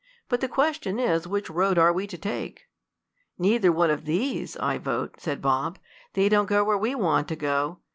"But the question is which road are we to take?" "Neither one of these, I vote," said Bob. "They don't go where we want to go.